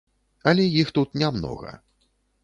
Але іх тут не многа.